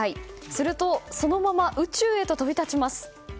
すると、そのまま宇宙へと飛び立ちます。